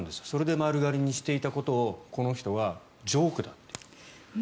それで丸刈りにしていたことをこの人はジョークだって。